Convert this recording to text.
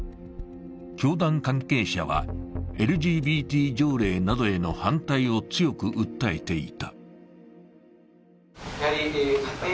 教団関係者はＬＧＢＴ条例などへの反対を強く訴えていてた。